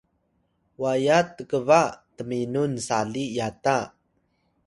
waya tkba tminun sali yata